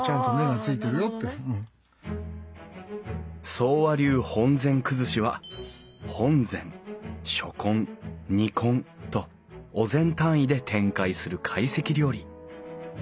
宗和流本膳崩しは本膳初献弐献とお膳単位で展開する会席料理。